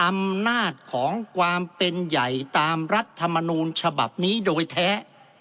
อำนาจของความเป็นใหญ่ตามรัฐมนูลฉบับนี้โดยแท้